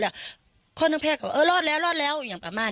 แล้วคนนักแพทย์ก็เออรอดแล้วรอดแล้วอย่างประมาณ